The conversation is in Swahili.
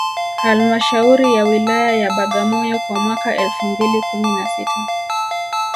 Halmashauri ya Wilaya ya Bagamoyo kwa mwaka elfu mbili kumi na sita